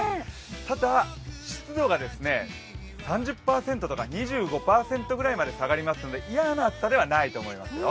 ただ、湿度が３０％とか２５％ぐらいまで下がりますので、嫌な暑さではないと思いますよ。